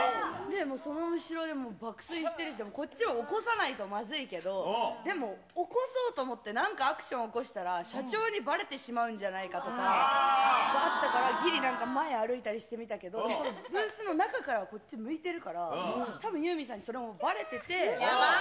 その後ろでもう爆睡してるし、こっちは起こさないとまずいけど、でも、起こそうと思って、なんかアクション起こしたら、社長にばれてしまうんじゃないかとかあったから、ぎり、前歩いたりしてみたけど、ブースの中からはこっち向いてるから、たぶんユーミンさんにそれもばれてて。